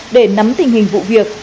để nắm tình hình vụ việc